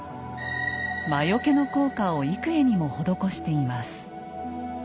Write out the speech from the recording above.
魔よけの効果を幾重にも施しています。